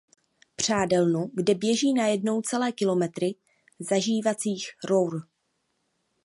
Přádelnu, kde běží najednou celé kilometry zažívacích rour.